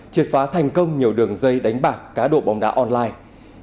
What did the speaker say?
triệt phá thành công nhiều đường dây đánh bạc cá độ bóng đá online